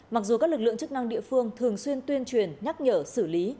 mặc dù các lực lượng chức năng địa phương thường xuyên tuyên truyền nhắc nhở xử lý